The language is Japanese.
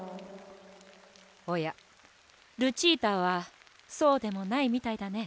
おやルチータはそうでもないみたいだね。